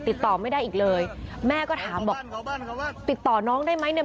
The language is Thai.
ติดต่อไม่ได้อีกเลยแม่ก็ถามบอกติดต่อน้องได้ไหมเนี่ย